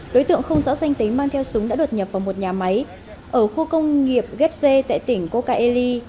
đối tượng không rõ danh tính mang theo súng đã đột nhập vào một nhà máy ở khu công nghiệp gapj tại tỉnh kokaeli